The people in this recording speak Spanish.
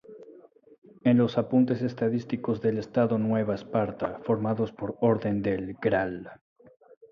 En los Apuntes Estadísticos del Estado Nueva Esparta, formados por orden del Gral.